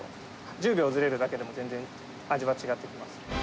１０秒ずれるだけでも全然味は違ってきます。